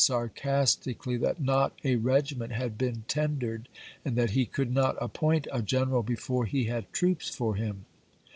sarcastically that not a regiment had been ten p^^g dered, and that he could not appoint a general fsl.^i^im% before he had troops for him.